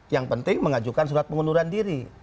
yang penting mengajukan surat pengunduran diri